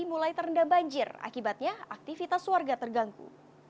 mulai terendam banjir akibatnya aktivitas warga terganggu